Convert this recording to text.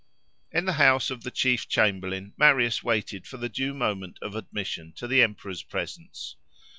In the house of the chief chamberlain Marius waited for the due moment of admission to the emperor's presence.